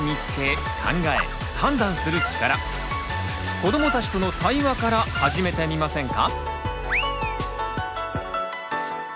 子どもたちとの対話から始めてみませんか？